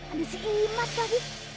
ada si imas lagi